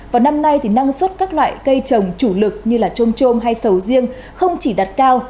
vào năm nay thì năng suất các loại cây trồng chủ lực như trôm trôm hay sầu riêng không chỉ đạt cao